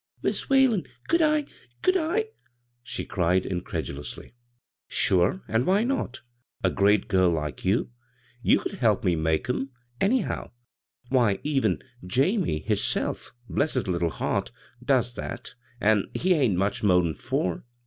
"Mis' Whalen, could I?— could I?" she cried incredulously. "Sure, an' why not? — a great giri like you I You could help me make 'em, any how; why, even Jamie hisself — bless his litde heart — does that, an' he ain't much more'n four.